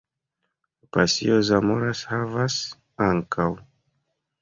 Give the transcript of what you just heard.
La Pasio zamora havas, ankaŭ.